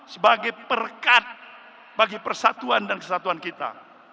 sebagai perkat bagi persatuan dan kesatuan kita